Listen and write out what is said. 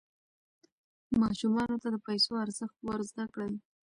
ماشومانو ته د پیسو ارزښت ور زده کړئ.